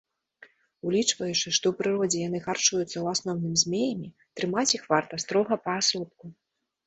Улічваючы, што ў прыродзе яны харчуюцца ў асноўным змеямі, трымаць іх варта строга паасобку.